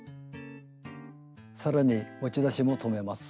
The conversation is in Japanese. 更に持ち出しも留めます。